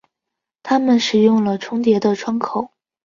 他们使用了重叠的窗口。